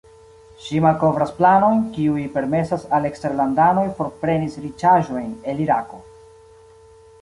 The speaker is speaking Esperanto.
Ŝi malkovras planojn, kiuj permesas al eksterlandanoj forprenis riĉaĵojn el Irako.